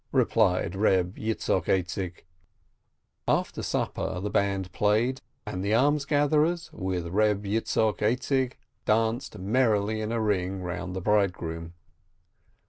replied Reb Yitzchok Aizik. After supper the band played, and the almsgatherers, with Reb Yitzchok Aizik, danced merrily in a ring round the bridegroom.